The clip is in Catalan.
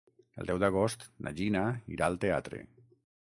El deu d'agost na Gina irà al teatre.